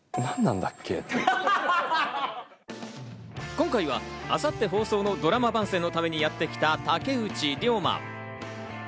今回は明後日、放送のドラマ番宣のためにやってきた竹内涼真。